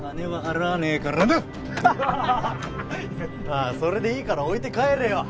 まあそれでいいから置いて帰れよ。